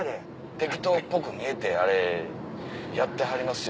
適当っぽく見えてあれやってはりますよ